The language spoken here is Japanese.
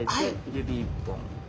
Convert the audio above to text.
指１本。